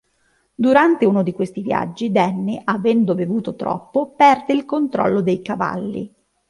Durante uno di questi viaggi, Danny, avendo bevuto troppo, perde il controllo dei cavalli.